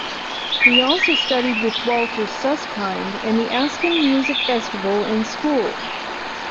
He also studied with Walter Susskind at the Aspen Music Festival and School.